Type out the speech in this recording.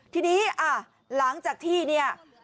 ทีนี้หลังจากที่เนี่ย